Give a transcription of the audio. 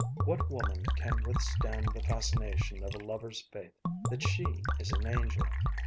What woman can withstand the fascination of a lover's faith that she is an angel?